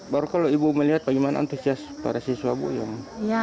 baru kalau ibu melihat bagaimana antusias para siswa ibu yang